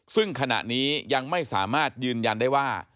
ซึ่งขณะนี้ยังไม่สามารถยืนยันได้ว่า